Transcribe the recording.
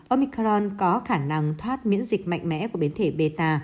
omicron có khả năng thoát miễn dịch mạnh mẽ của biến thể beta